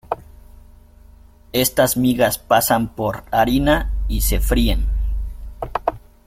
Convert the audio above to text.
Estas migas pasa por harina y se fríen.